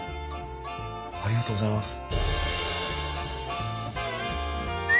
ありがとうございます。